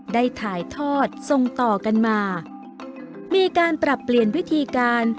ได้ถ่ายทอดทรงต่อกันมามีการปรับเปลี่ยนวิธีการ